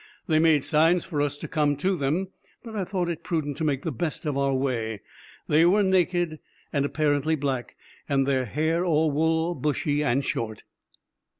They made signs for us to come to them, but I thought it prudent to make the best of our way. They were naked, and apparently black, and their hair or wool bushy and short.